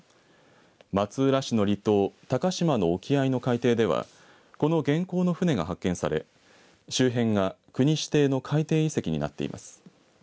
松浦市の離島、鷹島の沖合の海底ではこの元寇の船が発見され周辺が国指定の海底遺跡になっています。